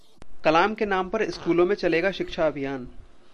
कलाम के नाम पर स्कूलों में चलेगा शिक्षा अभियान